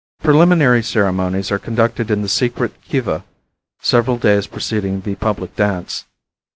Preliminary ceremonies are conducted in the secret Kiva several days preceding the public dance.